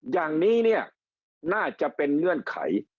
อย่างนี้เนี่ยน่าจะเป็นเงื่อนไข